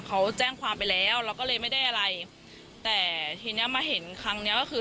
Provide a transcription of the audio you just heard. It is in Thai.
เขาแจ้งความไปแล้วเราก็เลยไม่ได้อะไรแต่ทีเนี้ยมาเห็นครั้งเนี้ยก็คือ